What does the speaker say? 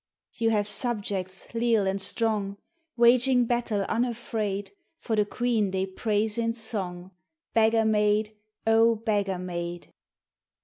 You have subjects leal and strong, Waging battle unafraid For the queen they praise in song, Beggar maid, O beggar maid